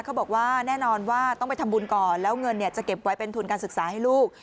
เขาบอกว่าแน่นอนว่าต้องไปทำบุญก่อนแล้วเงินจะเก็บไว้เป็นทุนการศึกษาให้ลูก